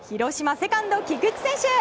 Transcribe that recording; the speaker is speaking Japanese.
セカンド菊池選手。